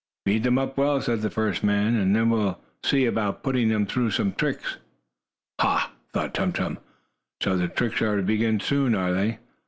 "Feed them up well," said the first man, "and then we'll see about putting them through some tricks." "Ha!" thought Tum Tum. "So the tricks are to begin soon, are they?